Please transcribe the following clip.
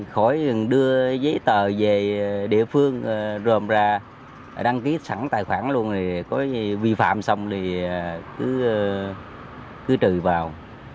khỏi đưa giấy tờ về địa phương rồm ra đăng ký sẵn tài khoản luôn có vi phạm xong thì cứ trừ vào